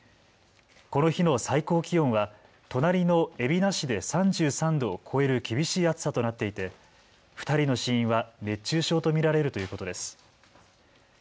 この日の最高気温は隣の海老名市で３３度を超える厳しい暑さとなっていて２人の死因は熱中症と見られるということです。